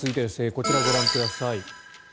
こちらをご覧ください。